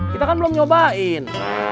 kita kan belum nyobain